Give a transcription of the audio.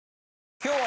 今日は。